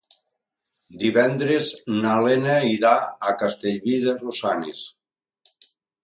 Divendres na Lena irà a Castellví de Rosanes.